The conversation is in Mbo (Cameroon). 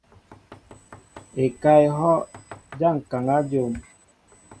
Ekáá ehɔʼ ja ŋkaŋa dyom.